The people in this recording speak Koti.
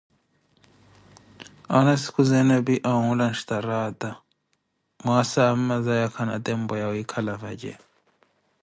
Aana sikhuzeene epi anwula nstaara, mwaasa amamazaya khana tempo ya wiikhala vaje.